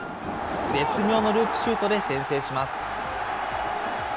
絶妙のループシュートで先制します。